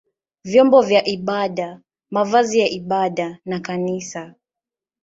vyombo vya ibada, mavazi ya ibada na kanisa.